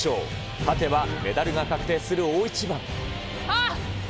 勝てばメダルが確定する大一番。